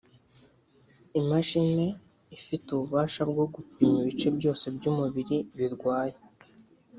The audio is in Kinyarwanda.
imashine ifite ububasha bwo gupima ibice byose by’umubiri birwaye